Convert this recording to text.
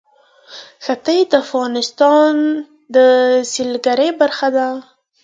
ښتې د افغانستان د سیلګرۍ برخه ده.